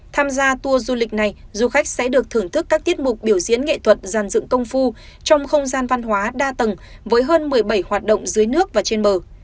tham gia tour du lịch này du khách sẽ được thưởng thức các tiết mục biểu diễn nghệ thuật giàn dựng công phu trong không gian văn hóa đa tầng với hơn một mươi bảy hoạt động dưới nước và trên bờ